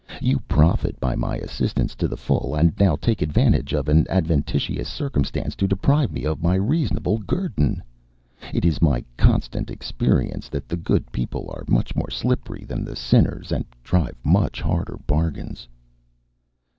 You profit by my assistance to the full, and now take advantage of an adventitious circumstance to deprive me of my reasonable guerdon. It is my constant experience that the good people are much more slippery than the sinners, and drive much harder bargains."